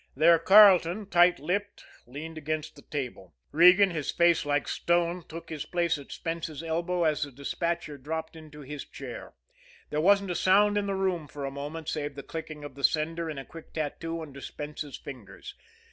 There, Carleton, tight lipped, leaned against the table; Regan, his face like stone, took his place at Spence's elbow, as the despatcher dropped into his chair. There wasn't a sound in the room for a moment save the clicking of the sender in a quick tattoo under Spence's fingers.